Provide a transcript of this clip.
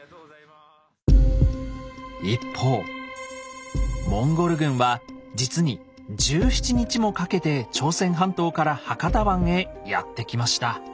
一方モンゴル軍は実に１７日もかけて朝鮮半島から博多湾へやって来ました。